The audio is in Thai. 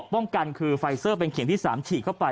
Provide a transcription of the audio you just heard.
ป้องกันเป็นเขียนที่๓ฉีดเข้าไป